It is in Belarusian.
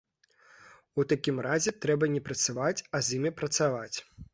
У такім разе трэба не прэсаваць, а з імі працаваць!